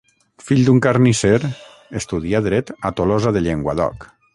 Fill d'un carnisser, estudià dret a Tolosa de Llenguadoc.